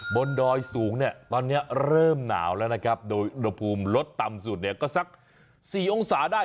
บนด้อยสูงตอนนี้เริ่มหนาวแล้วนะครับโดยไลฟ์อุดไปรถต่ำสุดเนี่ยก็ซัก๔องศาได้